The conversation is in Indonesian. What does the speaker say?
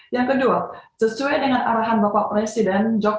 yang kedua sesuai dengan arahan bapak presiden